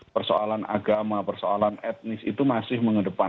persoalan agama persoalan etnis itu masih mengedepankan